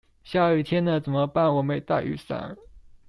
下雨天了怎麼辦我沒帶雨傘